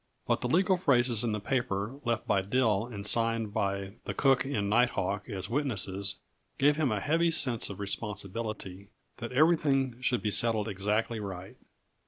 But the legal phrases in the paper left by Dill and signed by the cook and night hawk as witnesses gave him a heavy sense of responsibility that everything should be settled exactly right.